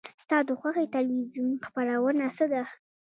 ستا د خوښې تلویزیون خپرونه څه ده؟